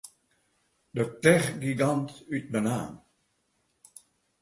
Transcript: De techgigant út Menaam.